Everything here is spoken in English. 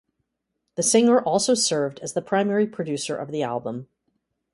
The singer also served as the primary producer of the album.